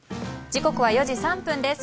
時刻は４時３分です。